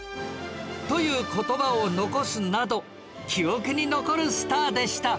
という言葉を残すなど記憶に残るスターでした